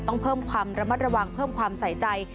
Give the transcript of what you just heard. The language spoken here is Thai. ต้องเพิ่มความระมัดระวังเพิ่มความใส่ใจ